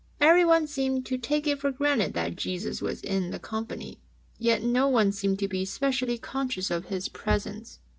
Everyone seemed to take it for granted that Jesus was in the company, yet no one seemed to be specially conscious of His Presence.